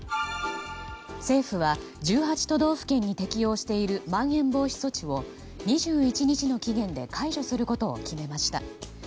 政府は１８都道府県に適用している、まん延防止措置を２１日の期限で解除することを決めました。